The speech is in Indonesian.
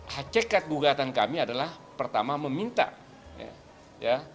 hakikat gugatan kami adalah pertama meminta ya